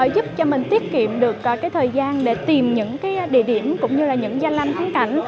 giúp cho mình tiết kiệm được thời gian để tìm những địa điểm cũng như là những gian lanh kháng cảnh